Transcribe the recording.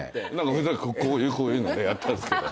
ふざけてこういうのでやったんすけど。